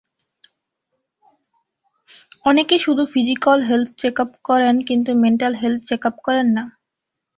অনেকে শুধু physical health checkup করেন কিন্তু মেন্টাল হেলথ চেক করেন না।